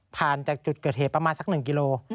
ผ่านจากจุดกระเทศประมาณสักหนึ่งกิโลกรัม